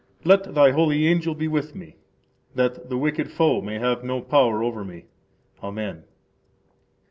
Let Thy holy angel be with me, that the Wicked Foe may have no power over me. Amen.